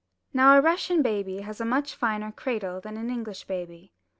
Now a Russian baby has a very much finer cradle than an English baby.